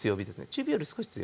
中火より少し強め。